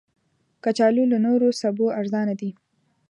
کچالو له نورو سبو ارزانه دي